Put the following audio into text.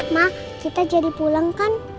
mak kita jadi pulang kan